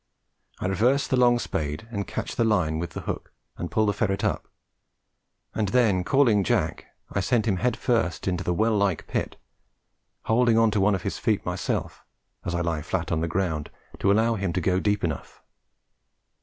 I reverse the long spade and catch the line with the hook and pull the ferret up, and then calling Jack, I send him head first into the well like pit, holding on to one of his feet myself as I lie flat on the ground to allow him to go deep enough.